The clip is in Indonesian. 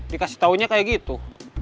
dikasih taunya kayak gitu